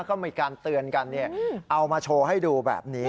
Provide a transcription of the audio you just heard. ก็มีการเตือนกันเอามาโชว์ให้ดูแบบนี้